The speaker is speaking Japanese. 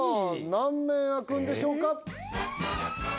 何面あくんでしょうか？